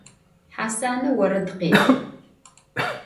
Hasane vored khê'o.